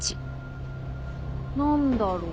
何だろう？